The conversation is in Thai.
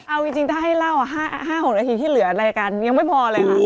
เอาจริงถ้าให้เล่าห้าหกนาทีที่เหลืออะไรกันยังไม่พอเลยหรอ